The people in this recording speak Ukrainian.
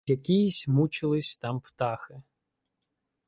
Якіїсь мучились там птахи